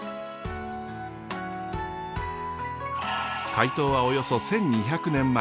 開湯はおよそ１，２００年前。